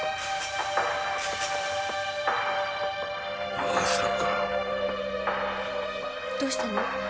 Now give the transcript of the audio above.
まさか⁉どうしたの？